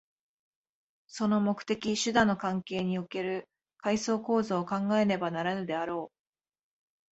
その目的・手段の関係における階層構造を考えねばならぬであろう。